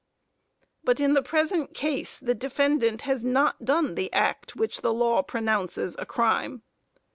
But in the present case the defendant has not done the act which the law pronounces a crime.